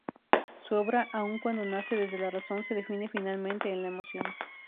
Su obra, aun cuando nace desde la razón, se define finalmente en la emoción.